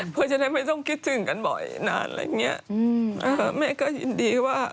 เพื่อจะได้ไม่ต้องคิดถึงกันบ่อยนานอย่างเงี้ยอืมเอ่อแม่ก็ยินดีว่า